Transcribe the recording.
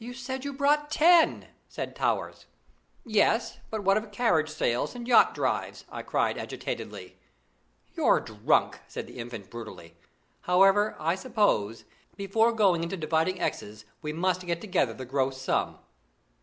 "You said you brought ten," said Towers. "Yes! but what of carriage sails and yacht drives?" I cried agitatedly. "You're drunk," said the Infant brutally. "However, I suppose, before going into dividing exes we must get together the gross sum."